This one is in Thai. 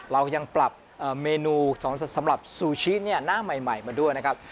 เรายังปรับเมนูสำหรับซูชิเนี่ยหน้าใหม่มาด้วยนะครับ